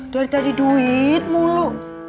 dari tadi duit mulu